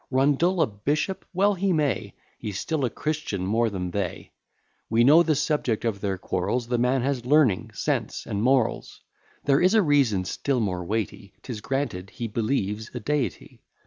Rundle a bishop! well he may; He's still a Christian more than they. We know the subject of their quarrels; The man has learning, sense, and morals. There is a reason still more weighty; 'Tis granted he believes a Deity.